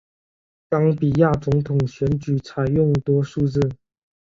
冈比亚总统选举采用多数制。